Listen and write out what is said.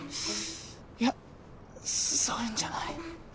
いやそういうんじゃない。